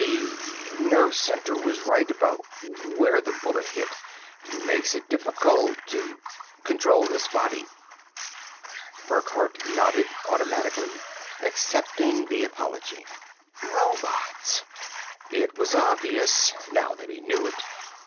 "The nerve center was right about where the bullet hit. Makes it difficult to control this body." Burckhardt nodded automatically, accepting the apology. Robots. It was obvious, now that he knew it.